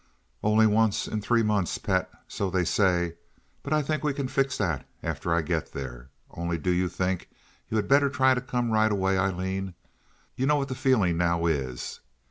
"Only once in three months, pet, so they say, but I think we can fix that after I get there; only do you think you had better try to come right away, Aileen? You know what the feeling now is.